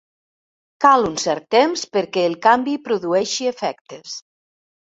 Cal un cert temps perquè el canvi produeixi efectes.